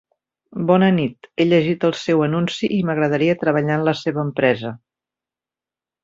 Bona nit, he llegit el seu anunci i m'agradaria treballar en la seva empresa.